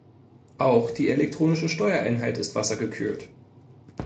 Auch die elektronische Steuereinheit ist wassergekühlt.